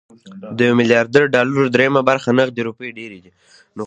د يو ميليارد ډالرو درېيمه برخه نغدې روپۍ ډېرې دي.